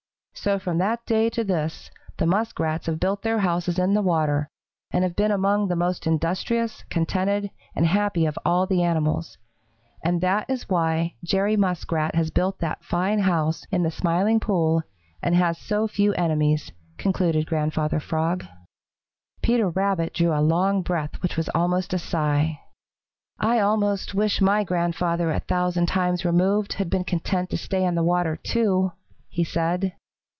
"So from that day to this, the Muskrats have built their houses in the water, and have been among the most industrious, contented, and happy of all the animals. And that is why Jerry Muskrat has built that fine house in the Smiling Pool and has so few enemies," concluded Grandfather Frog. Peter Rabbit drew a long breath, which was almost a sigh. "I almost wish my grandfather a thousand times removed had been content to stay in the water, too," he said.